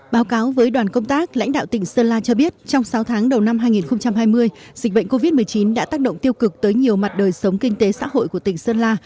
báo cáo với đoàn công tác lãnh đạo tỉnh sơn la cho biết trong sáu tháng đầu năm hai nghìn hai mươi dịch bệnh covid một mươi chín đã tác động tiêu cực tới nhiều mặt đời sống kinh tế xã hội của tỉnh sơn la